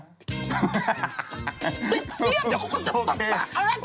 เสียงเดี๋ยวเขาก็จะตับปาก